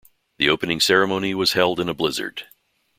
The opening ceremony was held in a blizzard.